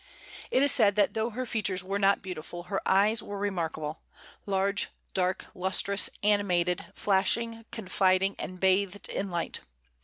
It is said that though her features were not beautiful her eyes were remarkable, large, dark, lustrous, animated, flashing, confiding, and bathed in light.